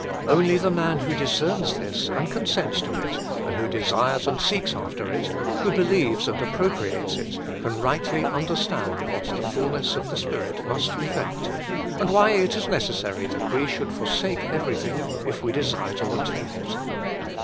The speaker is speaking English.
Only the man who discerns this and consents to it, who desires and seeks after it, who believes and appropriates it, can rightly understand what the fulness of the Spirit must effect, and why it is necessary that we should forsake every thing if we desire to obtain it.